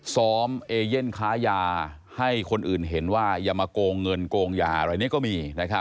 เอเย่นค้ายาให้คนอื่นเห็นว่าอย่ามาโกงเงินโกงยาอะไรนี่ก็มี